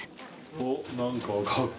おっ何か。